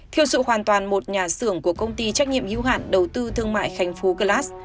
theo sự hoàn toàn một nhà xưởng của công ty trách nhiệm dưu hạn đầu tư thương mại khánh phú glass